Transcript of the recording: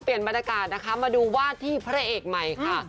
บรรยากาศนะคะมาดูวาดที่พระเอกใหม่ค่ะ